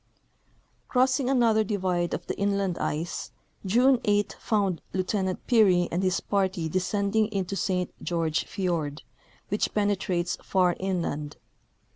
Crossing another divide of the inland ice, June 8 found Lieu tenant Peary and his party descending into Saint George fiord, which penetrates far inland.